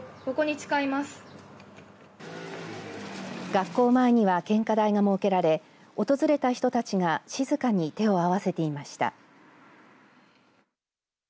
学校前には献花台が設けられ訪れた人たちが静かに手を合わせていました。